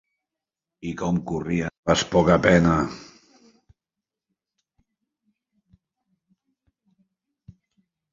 I com corrien les poca pena!